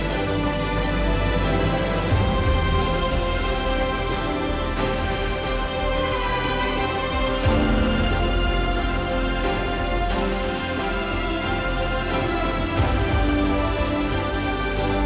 beraninya mbak pram